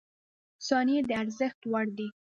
• ثانیې د ارزښت وړ دي.